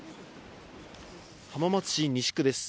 浜松市西区です。